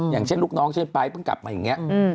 อย่างเช่นลูกน้องเช่นไปเพิ่งกลับมาอย่างนี้